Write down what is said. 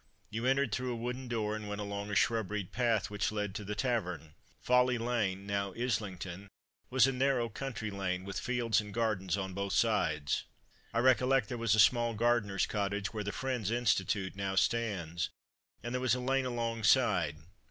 You entered through a wooden door and went along a shrubberied path which led to the Tavern. Folly lane (now Islington) was a narrow country lane, with fields and gardens on both sides. I recollect there was a small gardener's cottage where the Friends' Institute now stands; and there was a lane alongside.